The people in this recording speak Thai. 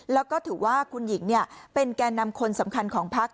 แล้วก็ถือว่าคุณหญิงเป็นแก่นำคนสำคัญของพัก